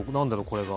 これが。